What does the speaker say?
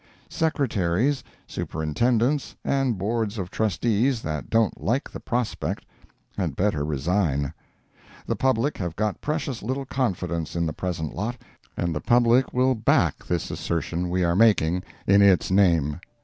Secretaries, Superintendents, and Boards of Trustees, that don't like the prospect, had better resign. The public have got precious little confidence in the present lot, and the public will back this assertion we are making in its name.